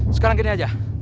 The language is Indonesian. sekarang gini aja